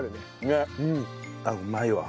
あっうまいわ。